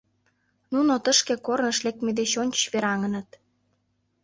Нуно тышке корныш лекме деч ончыч вераҥыныт.